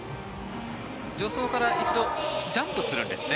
助走から一度ジャンプするんですね。